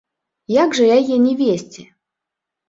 Як жа яе не весці?